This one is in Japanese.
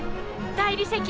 大理石。